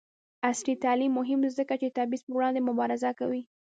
عصري تعلیم مهم دی ځکه چې د تبعیض پر وړاندې مبارزه کوي.